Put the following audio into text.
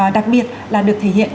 đặc biệt là được thể hiện